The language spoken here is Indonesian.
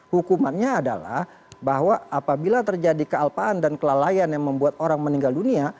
hukumannya adalah bahwa apabila terjadi kealpaan dan kelalaian yang membuat orang meninggal dunia